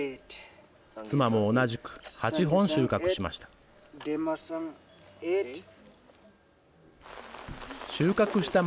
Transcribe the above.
妻も同じく、８本収穫しました。